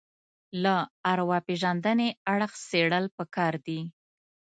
له ارواپېژندنې اړخ څېړل پکار دي